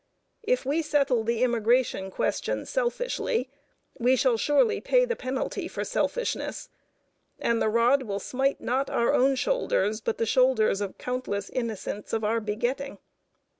If we settle the immigration question selfishly, we shall surely pay the penalty for selfishness. And the rod will smite not our own shoulders, but the shoulders of countless innocents of our begetting.